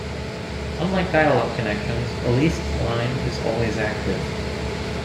Unlike dial-up connections, a leased line is always active.